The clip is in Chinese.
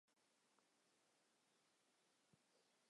热疗是一种将人的组织加热以达到治疗的效果的治疗方式。